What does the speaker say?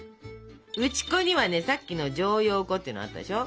打ち粉にはさっきの薯蕷粉っていうのあったでしょ？